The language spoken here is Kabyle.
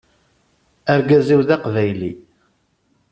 Argaz-iw d aqbayli.